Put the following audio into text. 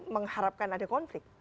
mengharapkan ada konflik